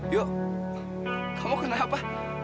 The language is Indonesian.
yuk kamu kenapa